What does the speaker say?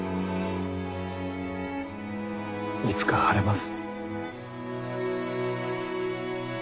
いつか晴れます。